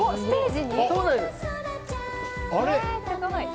そうなんです。